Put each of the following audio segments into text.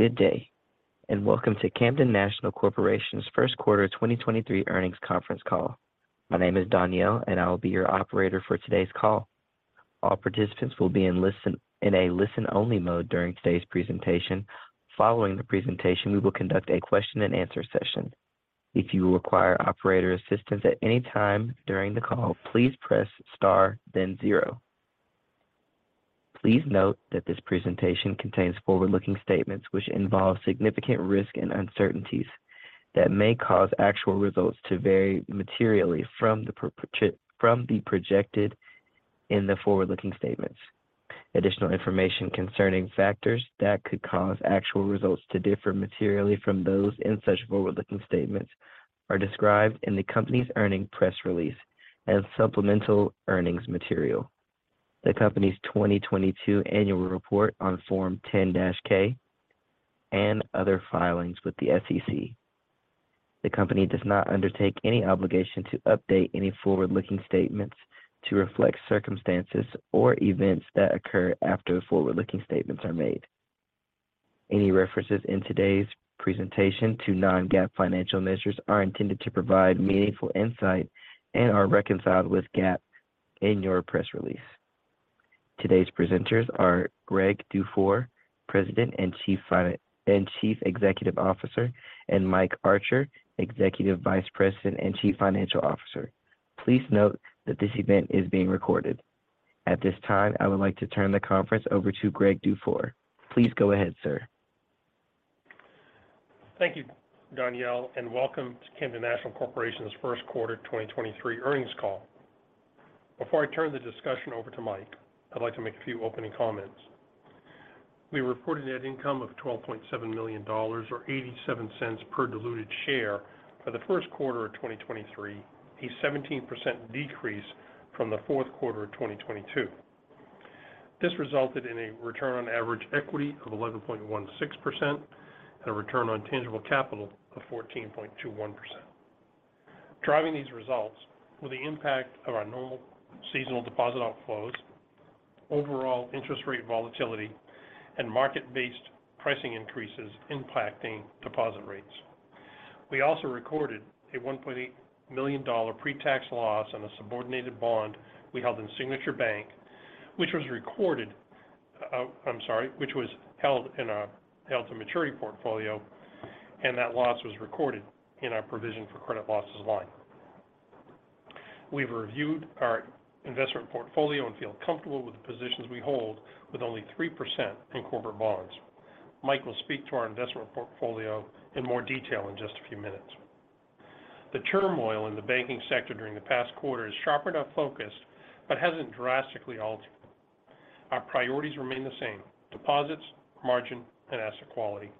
Good day, welcome to Camden National Corporation's first quarter 2023 earnings conference call. My name is Danielle, I will be your operator for today's call. All participants will be in a listen-only mode during today's presentation. Following the presentation, we will conduct a question-and-answer session. If you require operator assistance at any time during the call, please press Star, then zero. Please note that this presentation contains forward-looking statements which involve significant risk and uncertainties that may cause actual results to vary materially from the projected in the forward-looking statements. Additional information concerning factors that could cause actual results to differ materially from those in such forward-looking statements are described in the company's earnings press release as supplemental earnings material. The company's 2022 annual report on Form 10-K and other filings with the SEC. The company does not undertake any obligation to update any forward-looking statements to reflect circumstances or events that occur after the forward-looking statements are made. Any references in today's presentation to non-GAAP financial measures are intended to provide meaningful insight and are reconciled with GAAP in your press release. Today's presenters are Greg Dufour, President and Chief Executive Officer, and Mike Archer, Executive Vice President and Chief Financial Officer. Please note that this event is being recorded. At this time, I would like to turn the conference over to Greg Dufour. Please go ahead, sir. Thank you, Danielle, and welcome to Camden National Corporation's first quarter 2023 earnings call. Before I turn the discussion over to Mike, I'd like to make a few opening comments. We reported a net income of $12.7 million or $0.87 per diluted share for the first quarter of 2023, a 17% decrease from the fourth quarter of 2022. This resulted in a return on average equity of 11.16% and a return on tangible capital of 14.21%. Driving these results were the impact of our normal seasonal deposit outflows, overall interest rate volatility, and market-based pricing increases impacting deposit rates. We also recorded a $1.8 million pre-tax loss on a subordinated bond we held in Signature Bank, which was held in a held to maturity portfolio, and that loss was recorded in our provision for credit losses line. We've reviewed our investment portfolio and feel comfortable with the positions we hold with only 3% in corporate bonds. Mike will speak to our investment portfolio in more detail in just a few minutes. The turmoil in the banking sector during the past quarter has sharpened our focus but hasn't drastically altered it. Our priorities remain the same: deposits, margin, and asset quality.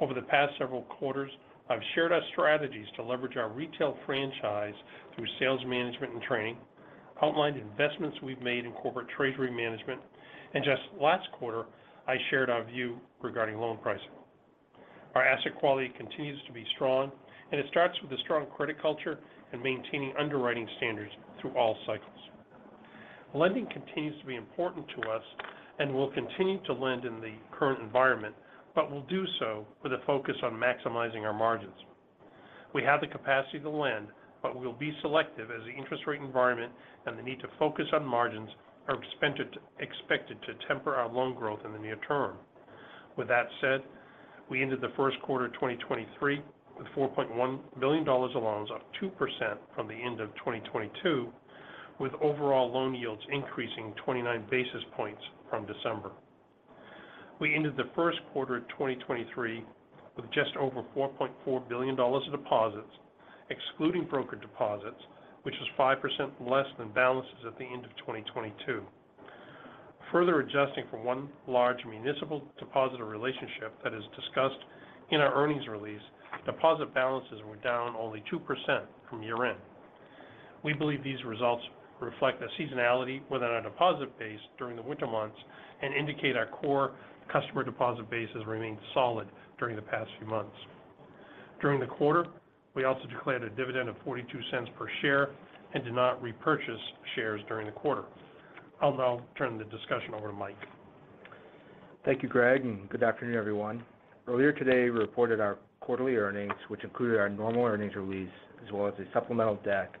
Over the past several quarters, I've shared our strategies to leverage our retail franchise through sales management and training, outlined investments we've made in corporate treasury management, and just last quarter, I shared our view regarding loan pricing. Our asset quality continues to be strong, and it starts with a strong credit culture, and maintaining underwriting standards through all cycles. Lending continues to be important to us, and we'll continue to lend in the current environment, but we'll do so with a focus on maximizing our margins. We have the capacity to lend, but we'll be selective as the interest rate environment, and the need to focus on margins are expected to temper our loan growth in the near term. With that said, we ended the first quarter of 2023 with $4.1 billion of loans, up 2% from the end of 2022, with overall loan yields increasing 29 basis points from December. We ended the first quarter of 2023 with just over $4.4 billion of deposits, excluding broker deposits, which was 5% less than balances at the end of 2022. Further adjusting for one large municipal depositor relationship that is discussed in our earnings release, deposit balances were down only 2% from year-end. We believe these results reflect a seasonality within our deposit base during the winter months, and indicate our core customer deposit base has remained solid during the past few months. During the quarter, we also declared a dividend of $0.42 per share and did not repurchase shares during the quarter. I'll now turn the discussion over to Mike. Thank you, Greg. Good afternoon, everyone. Earlier today, we reported our quarterly earnings, which included our normal earnings release as well as a supplemental deck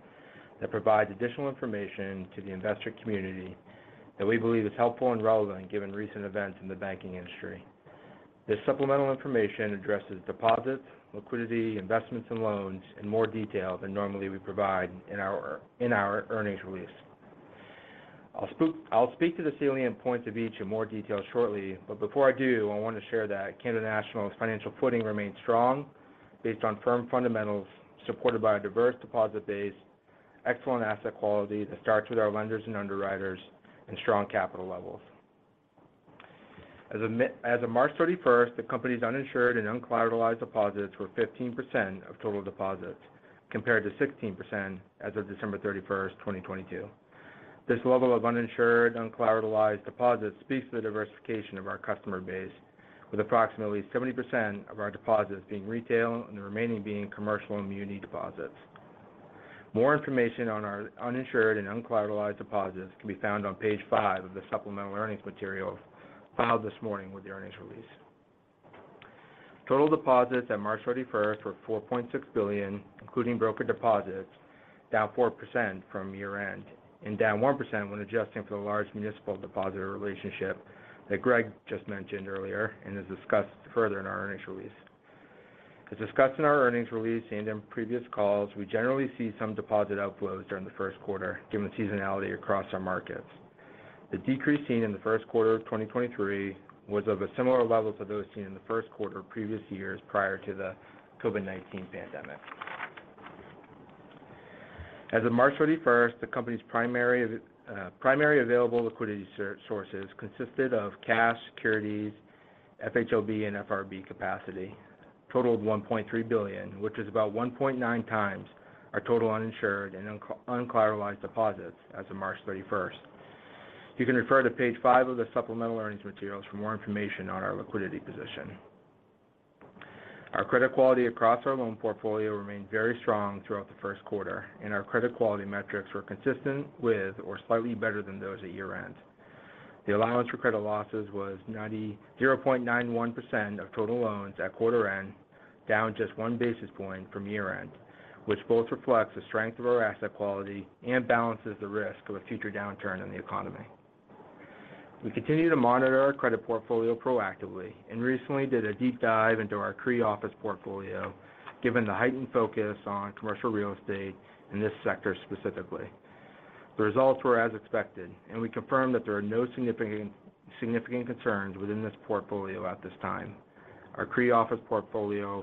that provides additional information to the investor community that we believe is helpful and relevant given recent events in the banking industry. This supplemental information addresses deposits, liquidity, investments ,and loans in more detail than normally we provide in our earnings release. I'll speak to the salient points of each in more detail shortly. Before I do, I want to share that Camden National's financial footing remains strong based on firm fundamentals supported by a diverse deposit base, excellent asset quality that starts with our lenders and underwriters, and strong capital levels. As of March 31st, 2022, the company's uninsured and uncollateralized deposits were 15% of total deposits, compared to 16% as of December 31st, 2022. This level of uninsured, uncollateralized deposits speaks to the diversification of our customer base, with approximately 70% of our deposits being retail and the remaining being commercial and muni deposits. More information on our uninsured and uncollateralized deposits can be found on page 5 of the supplemental earnings material filed this morning with the earnings release. Total deposits at March 31st were $4.6 billion, including broker deposits, down 4% from year-end, and down 1% when adjusting for the large municipal depositor relationship that Greg just mentioned earlier, and is discussed further in our earnings release. As discussed in our earnings release and in previous calls, we generally see some deposit outflows during the first quarter, given the seasonality across our markets. The decrease seen in the first quarter of 2023 was of a similar level to those seen in the first quarter of previous years prior to the COVID-19 pandemic. As of March 31st, the company's primary primary available liquidity sources consisted of cash, securities, FHLB and FRB capacity, totaled $1.3 billion, which is about 1.9x our total uninsured and uncollateralized deposits as of March 31st. You can refer to page five of the supplemental earnings materials for more information on our liquidity position. Our credit quality across our loan portfolio remained very strong throughout the first quarter, and our credit quality metrics were consistent with or slightly better than those at year-end. The allowance for credit losses was 0.91% of total loans at quarter-end, down just 1 basis point from year-end, which both reflects the strength of our asset quality and balances the risk of a future downturn in the economy. We continue to monitor our credit portfolio proactively, and recently did a deep dive into our CRE office portfolio, given the heightened focus on commercial real estate in this sector specifically. The results were as expected. We confirmed that there are no significant concerns within this portfolio at this time. Our CRE office portfolio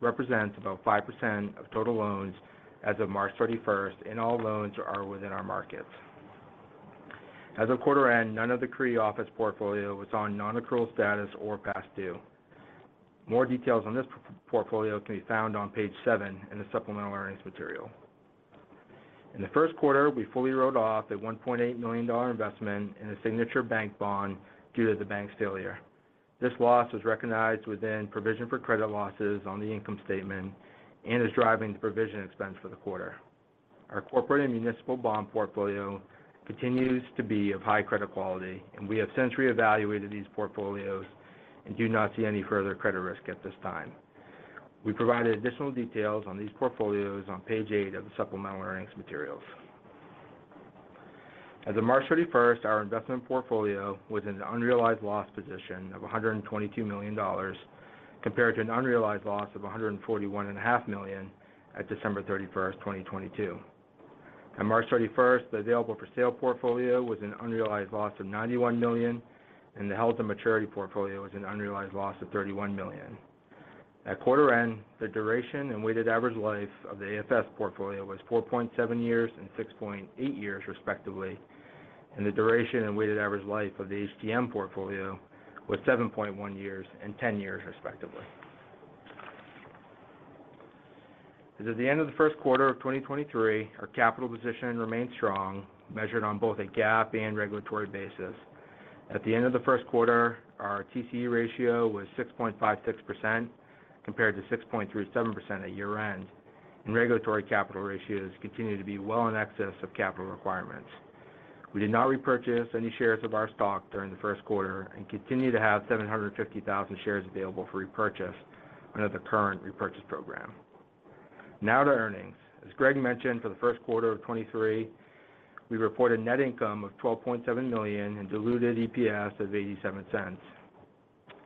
represents about 5% of total loans as of March 31st, and all loans are within our markets. As of quarter-end, none of the CRE office portfolio was on non-accrual status or past due. More details on this portfolio can be found on page seven in the supplemental earnings material. In the first quarter, we fully wrote off the $1.8 million investment in a Signature Bank bond due to the bank's failure. This loss was recognized within provision for credit losses on the income statement and is driving the provision expense for the quarter. Our corporate and municipal bond portfolio continues to be of high credit quality, and we have since reevaluated these portfolios, and do not see any further credit risk at this time. We provided additional details on these portfolios on page eight of the supplemental earnings materials. As of March 31st, our investment portfolio was in an unrealized loss position of $122 million compared to an unrealized loss of $141.5 million at December 31st, 2022. At March 31st, the available for sale portfolio was an unrealized loss of $91 million, and the held to maturity portfolio was an unrealized loss of $31 million. At quarter end, the duration and weighted average life of the AFS portfolio was 4.7 years and 6.8 years respectively, and the duration and weighted average life of the HTM portfolio was 7.1 years and 10 years respectively. As of the end of the first quarter of 2023, our capital position remained strong, measured on both a GAAP and regulatory basis. At the end of the first quarter, our TCE ratio was 6.56% compared to 6.37% at year-end, and regulatory capital ratios continued to be well in excess of capital requirements. We did not repurchase any shares of our stock during the first quarter and continue to have 750,000 shares available for repurchase under the current repurchase program. To earnings. As Greg mentioned, for the first quarter of 2023, we reported net income of $12.7 million and diluted EPS of $0.87,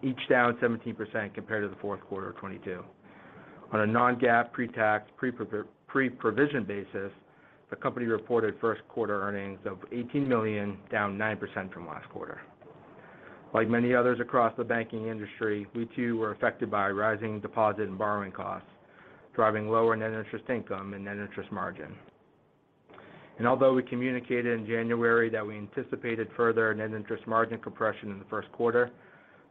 each down 17% compared to the fourth quarter of 2022. On a non-GAAP pre-tax, pre-provision basis, the company reported first quarter earnings of $18 million, down 9% from last quarter. Like many others across the banking industry, we too were affected by rising deposit and borrowing costs, driving lower net interest income and net interest margin. Although we communicated in January that we anticipated further net interest margin compression in the first quarter,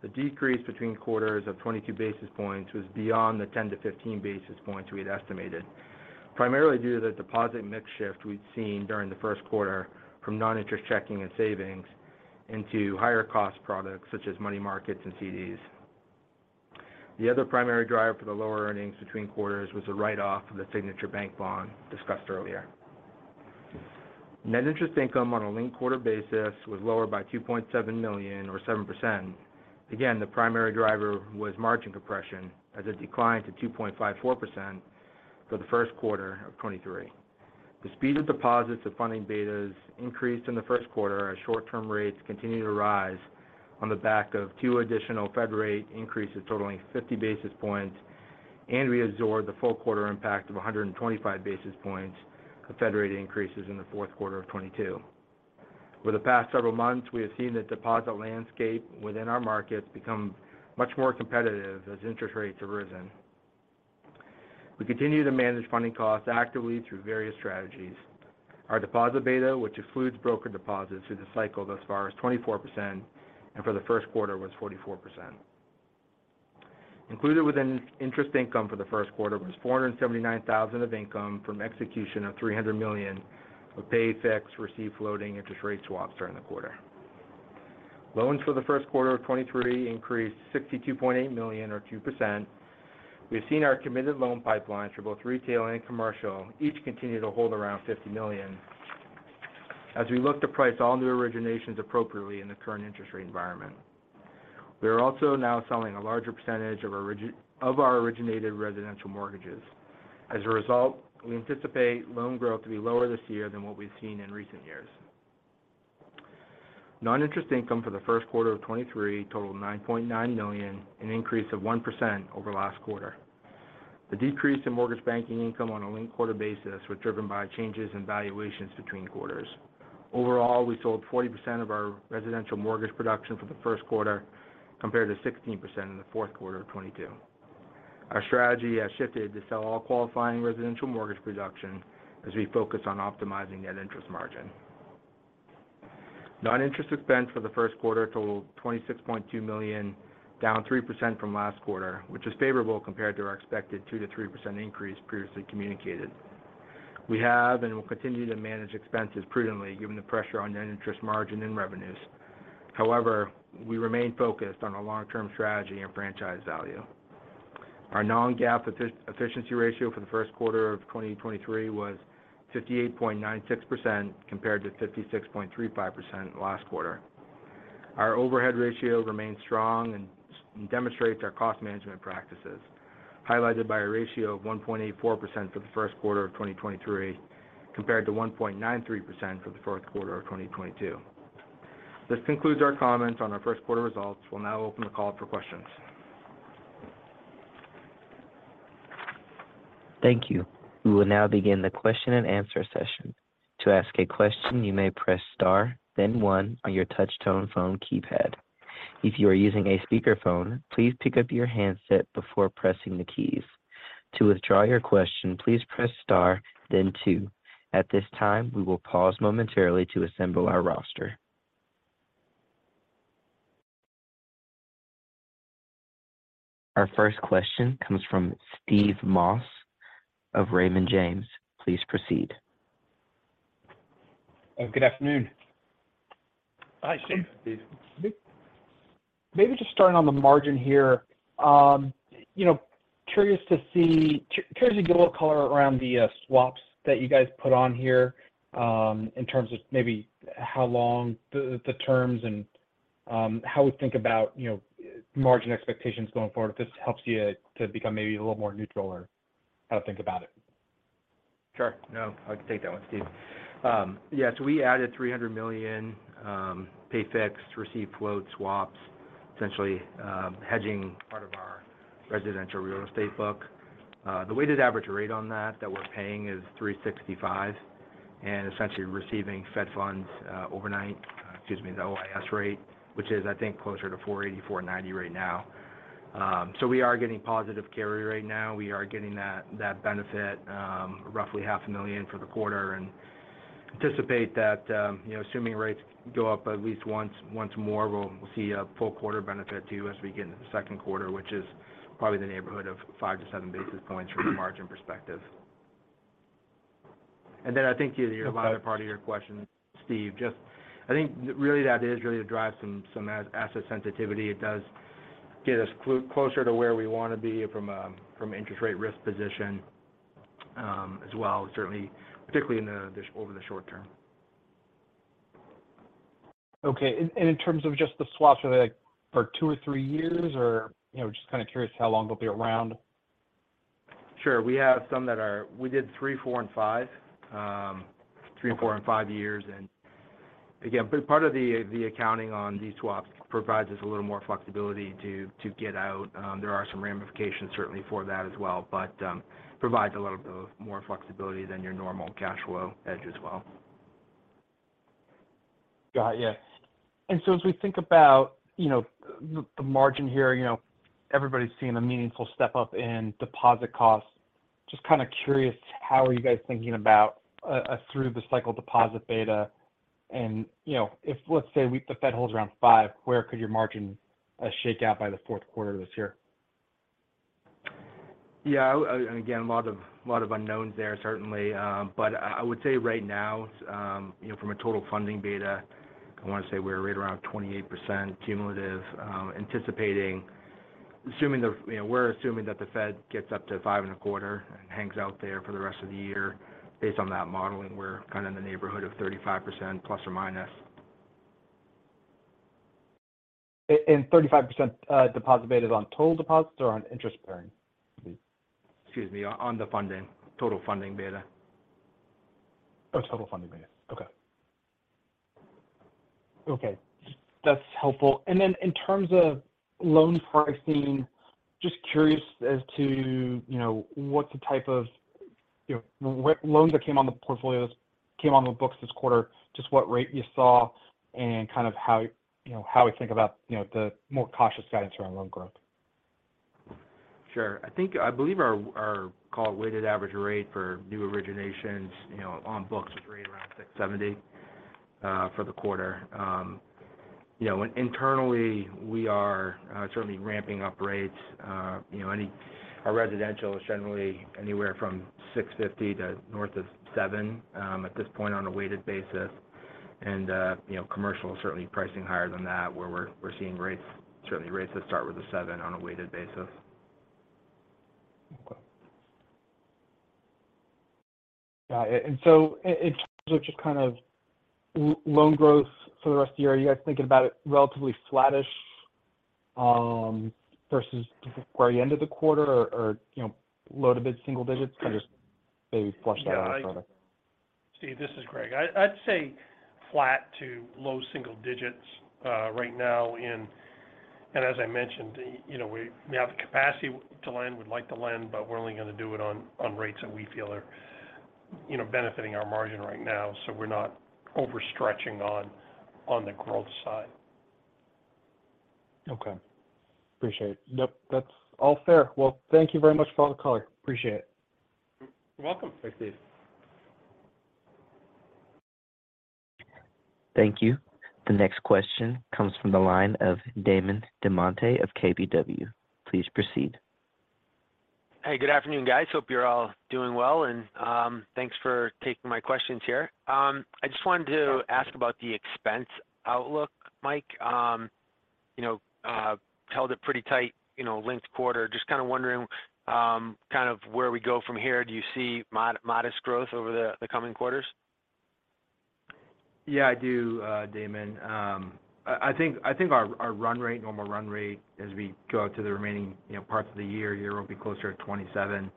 the decrease between quarters of 22 basis points was beyond the 10-15 basis points we had estimated, primarily due to the deposit mix shift we'd seen during the first quarter from non-interest checking and savings into higher cost products such as money markets and CDs. The other primary driver for the lower earnings between quarters was the write-off of the Signature Bank bond discussed earlier. Net interest income on a linked quarter basis was lower by $2.7 million or 7%. The primary driver was margin compression as it declined to 2.54% for the first quarter of 2023. The speed of deposits of funding betas increased in the first quarter as short-term rates continued to rise on the back of two additional Fed rate increases totaling 50 basis points, and we absorbed the full quarter impact of 125 basis points of Fed rate increases in the fourth quarter of 2022. Over the past several months, we have seen the deposit landscape within our markets become much more competitive as interest rates have risen. We continue to manage funding costs actively through various strategies. Our deposit beta, which excludes broker deposits, has cycled as far as 24% and for the first quarter was 44%. Included within interest income for the first quarter was $479,000 of income from execution of $300 million of pay fixed, receive floating interest rate swaps during the quarter. Loans for the first quarter of 2023 increased $62.8 million or 2%. We've seen our committed loan pipelines for both retail and commercial each continue to hold around $50 million as we look to price all new originations appropriately in the current interest rate environment. We are also now selling a larger percentage of our originated residential mortgages. As a result, we anticipate loan growth to be lower this year than what we've seen in recent years. Non-interest income for the first quarter of 2023 totaled $9.9 million, an increase of 1% over last quarter. The decrease in mortgage banking income on a linked-quarter basis were driven by changes in valuations between quarters. Overall, we sold 40% of our residential mortgage production for the first quarter compared to 16% in the fourth quarter of 2022. Our strategy has shifted to sell all qualifying residential mortgage production as we focus on optimizing net interest margin. Non-interest expense for the first quarter totaled $26.2 million, down 3% from last quarter, which is favorable compared to our expected 2%-3% increase previously communicated. We have and will continue to manage expenses prudently given the pressure on net interest margin and revenues. However, we remain focused on a long-term strategy and franchise value. Our non-GAAP efficiency ratio for the first quarter of 2023 was 58.96% compared to 56.35% last quarter. Our overhead ratio remains strong and demonstrates our cost management practices, highlighted by a ratio of 1.84% for the first quarter of 2023 compared to 1.93% for the fourth quarter of 2022. This concludes our comments on our first quarter results. We'll now open the call for questions. Thank you. We will now begin the question and answer session. To ask a question, you may press star then 1 on your touchtone phone keypad. If you are using a speakerphone, please pick up your handset before pressing the keys. To withdraw your question, please press star then two. At this time, we will pause momentarily to assemble our roster. Our first question comes from Steve Moss of Raymond James. Please proceed. Good afternoon. Hi, Steve. Steve. Maybe just starting on the margin here. You know, curious to get a little color around the swaps that you guys put on here, in terms of maybe how long the terms and, how we think about, you know, margin expectations going forward, if this helps you to become maybe a little more neutral or how to think about it. Sure. No, I can take that one, Steve. We added $300 million pay fixed, receive floating swaps, essentially hedging part of our residential real estate book. The weighted average rate on that we're paying is 3.65%, and essentially receiving Fed funds overnight. Excuse me, the OIS rate, which is I think closer to 4.80%-4.90% right now. We are getting positive carry right now. We are getting that benefit, roughly half a million for the quarter and anticipate that assuming rates go up at least once more, we'll see a full quarter benefit too as we get into the second quarter, which is probably in the neighborhood of 5-7 basis points from a margin perspective. I think you, your latter part of your question, Steve, just I think really the idea is really to drive some asset sensitivity. It does get us closer to where we want to be from an interest rate risk position, as well, certainly, particularly over the short term. Okay. In terms of just the swaps, are they like for two or three years or, you know, just kind of curious how long they'll be around? Sure. We have some we did three, four, and five. Three, four, and five years. Again, part of the accounting on these swaps provides us a little more flexibility to get out. There are some ramifications certainly for that as well. Provides a little bit of more flexibility than your normal cash flow hedge as well. Got it. As we think about, you know, the margin here, you know, everybody's seeing a meaningful step-up in deposit costs. Just kind of curious, how are you guys thinking about a through the cycle deposit beta? You know, if let's say the Fed holds around 5%, where could your margin shake out by the fourth quarter of this year? Yeah. Again, a lot of unknowns there certainly. I would say right now, you know, from a total funding beta, I want to say we're right around 28% cumulative, you know, we're assuming that the Fed gets up to five and a quarter and hangs out there for the rest of the year. Based on that modeling, we're kind of in the neighborhood of ±35%. 35%, deposit beta is on total deposits or on interest bearing? Excuse me. On the funding, total funding beta. Oh, total funding beta. Okay. That's helpful. Then in terms of loan pricing, just curious as to, you know, what the type of, you know, what loans that came on the portfolios came on the books this quarter, just what rate you saw, and kind of how we think about, you know, the more cautious guidance around loan growth. Sure. I believe our call weighted average rate for new originations, you know, on books was right around 6.70% for the quarter. You know, internally we are certainly ramping up rates. You know, our residential is generally anywhere from 6.50% to north of 7% at this point on a weighted basis. You know, commercial certainly pricing higher than that, where we're seeing rates, certainly rates that start with a 7% on a weighted basis. Okay. In terms of just kind of loan growth for the rest of the year, are you guys thinking about it relatively flattish versus towards the end of the quarter or, you know, low to mid-single digits? Kind of just maybe flush that out further. Yeah. Steve, this is Greg. I'd say flat to low single digits right now in. As I mentioned, you know, we have the capacity to lend, we'd like to lend, but we're only gonna do it on rates that we feel are, you know, benefiting our margin right now. We're not overstretching on the growth side. Okay. Appreciate it. Yep, that's all fair. Well, thank you very much for all the color. Appreciate it. You're welcome. Thanks, Steve. Thank you. The next question comes from the line of Damon DelMonte of KBW. Please proceed. Hey, good afternoon, guys. Hope you're all doing well, and thanks for taking my questions here. I just wanted to ask about the expense outlook, Mike. You know, held it pretty tight, you know, linked quarter. Just kind of wondering, kind of where we go from here. Do you see modest growth over the coming quarters? I do, Damon. I think our run rate, normal run rate as we go out to the remaining, you know, parts of the year will be closer to $27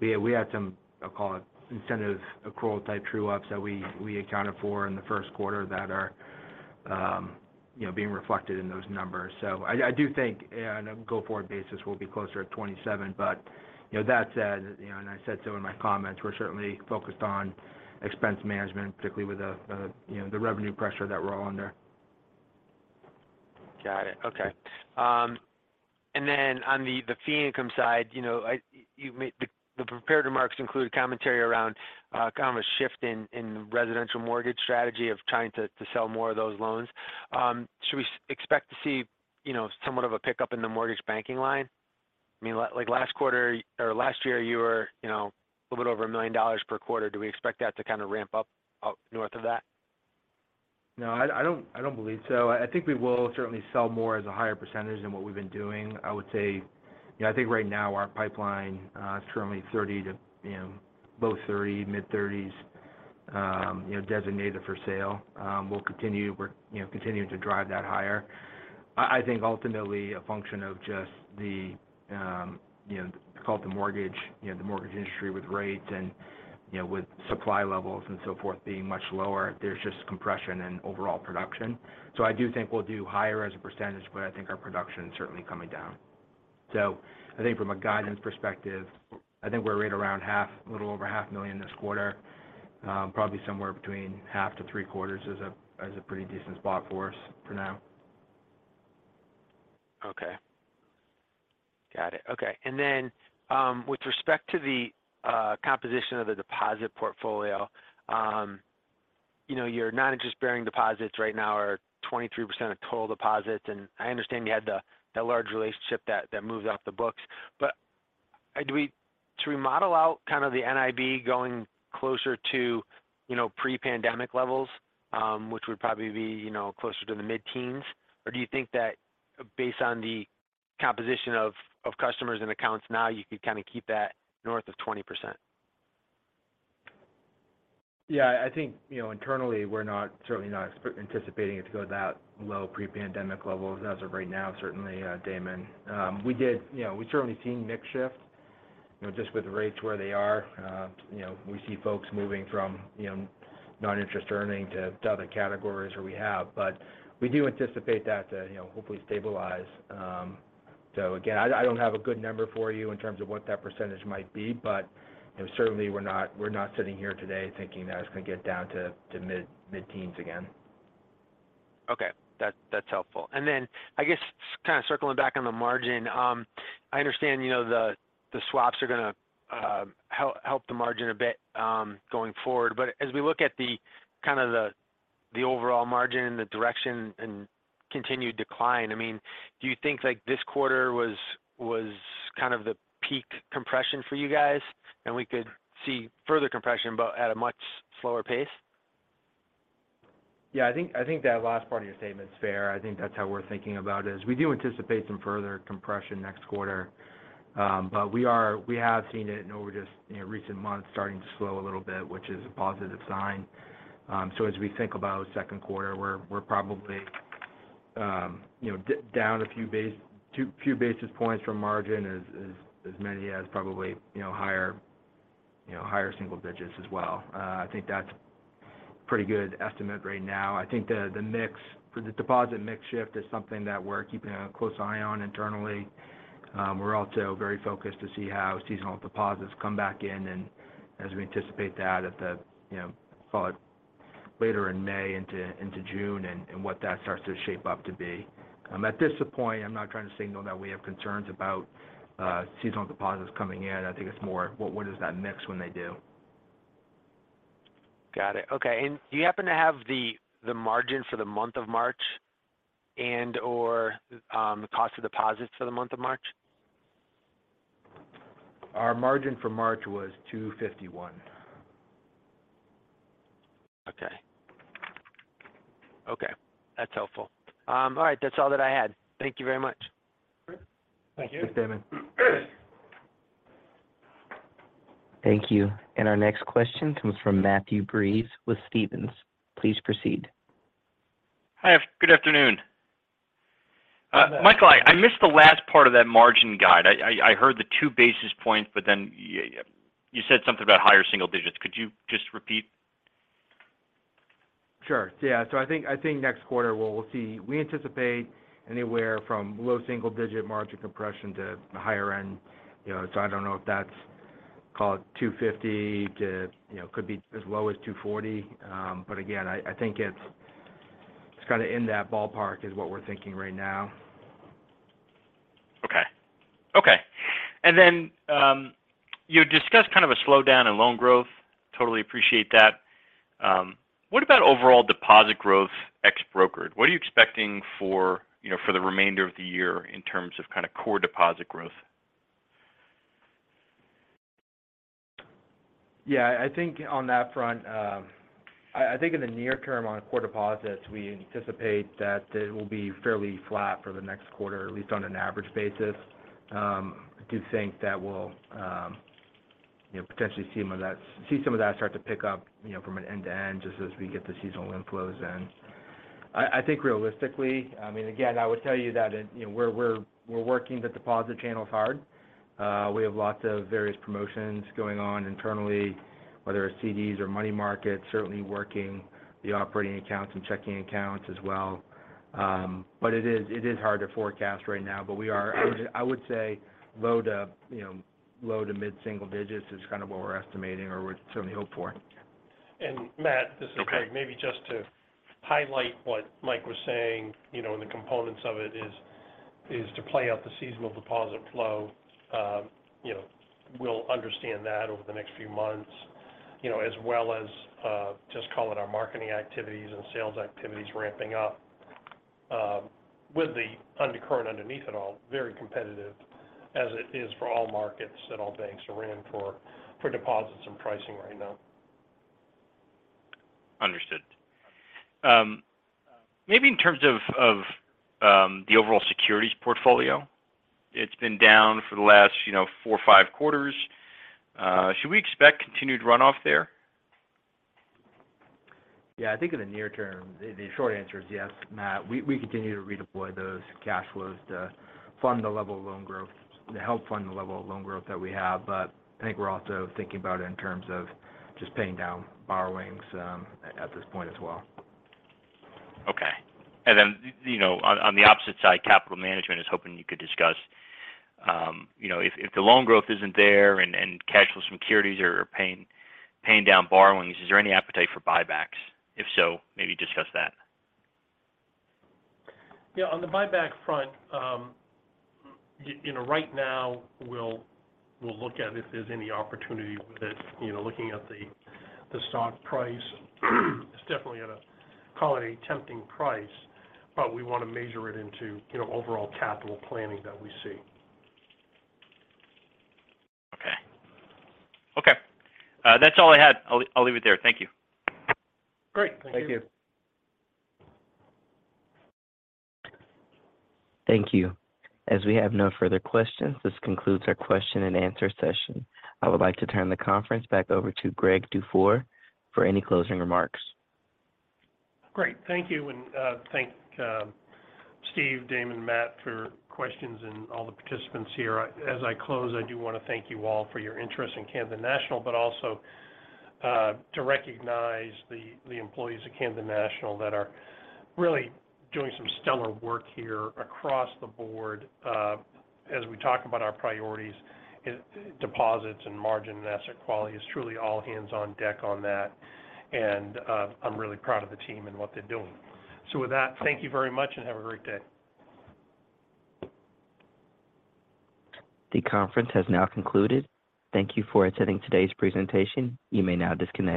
million. We had some, I'll call it incentive accrual type true ups that we accounted for in the first quarter that are, you know, being reflected in those numbers. I do think on a go-forward basis, we'll be closer to $27 million. You know, that said, you know, and I said so in my comments, we're certainly focused on expense management, particularly with the, you know, the revenue pressure that we're all under. Got it. Okay. On the fee income side, you know, the prepared remarks include commentary around kind of a shift in residential mortgage strategy of trying to sell more of those loans. Should we expect to see, you know, somewhat of a pickup in the mortgage banking line? I mean, like last quarter or last year, you were, you know, a little bit over $1 million per quarter. Do we expect that to kind of ramp up out north of that? I don't believe so. I think we will certainly sell more as a higher percentage than what we've been doing. I would say, you know, I think right now our pipeline is currently 30% to, you know, both 30%, mid-30s, designated for sale. We're, you know, continuing to drive that higher. I think ultimately a function of just the, you know, call it the mortgage, you know, the mortgage industry with rates, andwith supply levels and so forth being much lower, there's just compression in overall production. I do think we'll do higher as a percentage, but I think our production is certainly coming down. I think from a guidance perspective, I think we're right around half, a little over half million this quarter. Probably somewhere between 1/2-3/4 is a pretty decent spot for us for now. Got it. Okay. Then, with respect to the composition of the deposit portfolio, you know, your non-interest-bearing deposits right now are 23% of total deposits. I understand you had that large relationship that moved off the books. Should we model out kind of the NIB going closer to, you know, pre-pandemic levels, which would probably be, you know, closer to the mid-teens? Or do you think that based on the composition of customers and accounts now, you could kind of keep that north of 20%? Yeah. I think, you know, internally, we're not, certainly not ex-anticipating it to go that low pre-pandemic levels as of right now, certainly, Damon. You know, we've certainly seen mix shift, you know, just with rates where they are. You know, we see folks moving from, you know, non-interest earning to other categories where we have. We do anticipate that to, you know, hopefully stabilize. Again, I don't have a good number for you in terms of what that percentage might be. You know, certainly we're not, we're not sitting here today thinking that it's going to get down to mid-teens again. Okay. That's helpful. Then I guess kind of circling back on the margin. I understand, the swaps are gonna help the margin a bit going forward. As we look at the kind of the overall margin and the direction and continued decline, I mean, do you think like this quarter was kind of the peak compression for you guys, and we could see further compression but at a much slower pace? Yeah. I think that last part of your statement is fair. I think that's how we're thinking about it, is we do anticipate some further compression next quarter. We have seen it over just, you know, recent months starting to slow a little bit, which is a positive sign. As we think about second quarter, we're probably, you know, down a few basis points from margin as many as probably, you know, higher, you know, higher single digits as well. I think that's pretty good estimate right now. I think the deposit mix shift is something that we're keeping a close eye on internally. We're also very focused to see how seasonal deposits come back in, and as we anticipate that at the, you know, call it later in May into June, and what that starts to shape up to be. At this point, I'm not trying to signal that we have concerns about seasonal deposits coming in. I think it's more what is that mix when they do. Got it. Okay. Do you happen to have the margin for the month of March and/or the cost of deposits for the month of March? Our margin for March was 2.51%. Helpful. That's all that I had. Thank you very much. Great. Thank you. Thanks, Damon. Thank you. Our next question comes from Matthew Breese with Stephens. Please proceed. Hi, good afternoon. Matt. Michael, I missed the last part of that margin guide. I heard the 2 basis points. You said something about higher single digits. Could you just repeat? Sure. Yeah, I think next quarter we'll anticipate anywhere from low single digit margin compression to the higher end, you know. I don't know if that's called 2.50% to, you know, could be as low as 2.40%. Again, I think it's kind of in that ballpark is what we're thinking right now. Okay. Okay. Then, you discussed kind of a slowdown in loan growth. Totally appreciate that. What about overall deposit growth ex brokered? What are you expecting for, you know, for the remainder of the year in terms of kind of core deposit growth? I think on that front, I think in the near term on core deposits, we anticipate that it will be fairly flat for the next quarter, at least on an average basis. I do think that we'll, you know, potentially see some of that start to pick up, you know, from an end-to-end just as we get the seasonal inflows in. I think realistically, I mean, again, I would tell you that you know, we're working the deposit channels hard. We have lots of various promotions going on internally, whether it's CDs or money markets, certainly working the operating accounts and checking accounts as well. It is, it is hard to forecast right now. I would say low to, you know, low to mid-single digits is kind of what we're estimating or would certainly hope for. Matt, this is Greg.Maybe just to highlight what Mike was saying, and the components of it is to play out the seasonal deposit flow. We'll understand that over the next few months. As well as, just calling our marketing activities and sales activities ramping up, with the undercurrent underneath it all, very competitive as it is for all markets and all banks are in for deposits and pricing right now. Understood. Maybe in terms of the overall securities portfolio, it's been down for the last, you know, four or five quarters. Should we expect continued runoff there? Yeah. I think in the near term, the short answer is yes, Matt. We continue to redeploy those cash flows to fund the level of loan growth, to help fund the level of loan growth that we have. I think we're also thinking about it in terms of just paying down borrowings at this point as well. Okay. You know, on the opposite side, capital management is hoping you could discuss, you know, if the loan growth isn't there and cash flows from securities are paying down borrowings, is there any appetite for buybacks? If so, maybe discuss that. Yeah. On the buyback front, you know, right now we'll look at if there's any opportunity with it, you know, looking at the stock price. It's definitely at a, call it a tempting price, but we want to measure it into, you know, overall capital planning that we see. Okay. Okay. that's all I had. I'll leave it there. Thank you. Great. Thank you. Thank you. Thank you. As we have no further questions, this concludes our question and answer session. I would like to turn the conference back over to Greg Dufour for any closing remarks. Great. Thank you, and thank Steve, Damon, Matt for questions and all the participants here. As I close, I do want to thank you all for your interest in Camden National, but also to recognize the employees of Camden National that are really doing some stellar work here across the board, as we talk about our priorities in deposits and margin and asset quality. It's truly all hands on deck on that. I'm really proud of the team, and what they're doing. With that, thank you very much and have a great day. The conference has now concluded. Thank you for attending today's presentation. You may now disconnect.